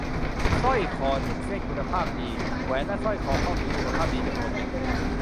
สร้อยคอหนึ่งเส้น-คุณภาพดี-แหวนและสร้อยข้อมือคุณภาพดีจำนวนหนึ่ง